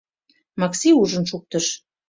Макси ужын шуктыш.